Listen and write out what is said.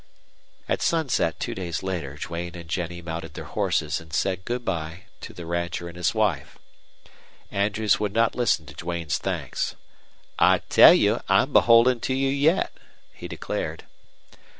At sunset two days later Duane and Jennie mounted their horses and said good by to the rancher and his wife. Andrews would not listen to Duane's thanks. "I tell you I'm beholden to you yet," he declared.